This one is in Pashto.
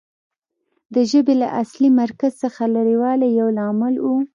د ژبې له اصلي مرکز څخه لرې والی یو لامل و